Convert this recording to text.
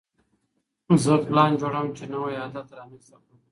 زه پلان جوړوم چې نوی عادت رامنځته کړم.